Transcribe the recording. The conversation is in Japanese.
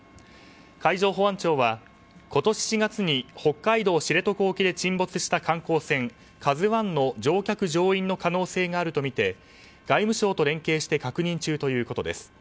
海上保安庁は今年４月に北海道知床沖で沈没した観光船「ＫＡＺＵ１」の乗客・乗員の可能性があるとみて外務省と連携して確認中ということです。